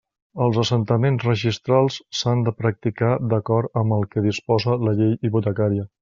Els assentaments registrals s'han de practicar d'acord amb el que disposa la Llei hipotecària.